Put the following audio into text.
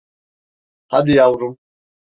Hadi yavrum.